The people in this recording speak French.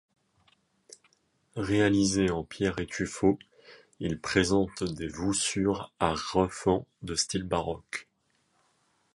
Réalisé en pierre et tuffeau, il présente des voussures à refends de style baroque.